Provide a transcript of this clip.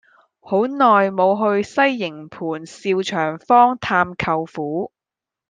好耐無去西營盤兆祥坊探舅父